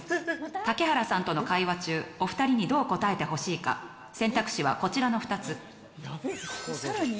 竹原さんとの会話中お二人どう答えてほしいか選択肢はこちらの２つ。